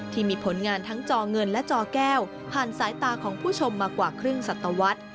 ที่มีผลงานทั้งจอเงินและจอแก้วผ่านสายตาของผู้ชมมากว่าครึ่งสัตวรรษ